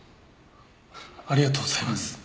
ありがとうございます。